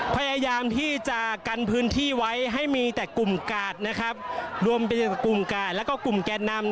พยายามที่จะกันพื้นที่ไว้ให้มีแต่กลุ่มกาดนะครับรวมเป็นกลุ่มกาดแล้วก็กลุ่มแกนนำ